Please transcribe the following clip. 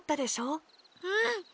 うん！